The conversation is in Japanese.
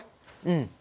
うん。